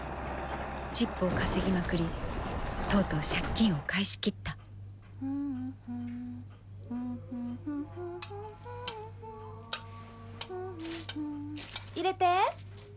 チップを稼ぎまくりとうとう借金を返し切った入れて。